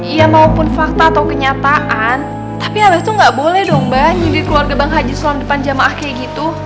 ya maupun fakta atau kenyataan tapi abah tuh nggak boleh dong bah nyindir keluarga bang haji sulam depan jamaah kayak gitu